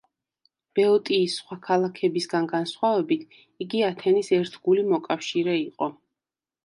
ბეოტიის სხვა ქალაქებისგან განსხვავებით იგი ათენის ერთგული მოკავშირე იყო.